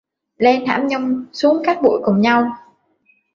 Lên thảm nhung, xuống cát bụi cùng nhau